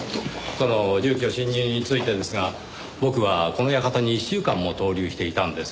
その住居侵入についてですが僕はこの館に１週間も逗留していたんですよ。